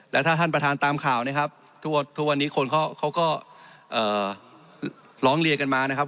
และถ้าท่านประธานตามข่าวนะครับทุกวันนี้คนเขาก็ร้องเรียนกันมานะครับ